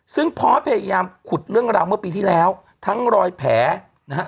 ซึ่งพอสพยายามขุดเรื่องราวเมื่อปีที่แล้วทั้งรอยแผลนะฮะ